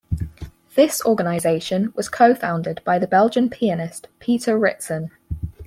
This organisation was co-founded by the Belgian pianist Peter Ritzen.